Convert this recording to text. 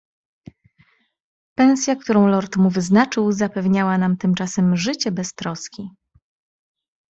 "Pensja, którą lord mu wyznaczył, zapewniała nam tymczasem życie bez troski."